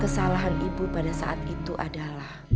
kesalahan ibu pada saat itu adalah